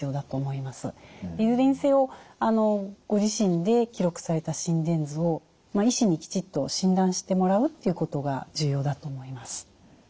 いずれにせよご自身で記録された心電図を医師にきちっと診断してもらうということが重要だと思います。